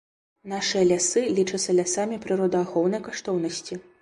Нашыя лясы лічацца лясамі прыродаахоўнай каштоўнасці.